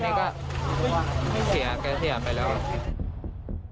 นี่ก็เสียไปแล้ว